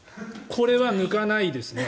これは抜かないですね。